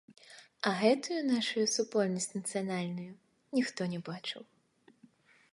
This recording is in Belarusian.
А гэтую нашую супольнасць нацыянальную ніхто не бачыў.